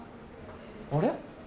あれ？